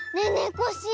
コッシー